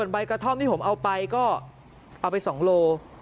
ผมเอาไปก็เอาไป๒โล